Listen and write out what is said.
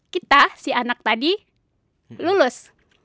kita si anak tadi lulus